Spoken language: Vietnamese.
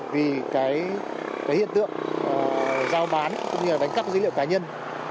vì cái hiện tượng giao bán cũng như là đánh cắp dữ liệu cá nhân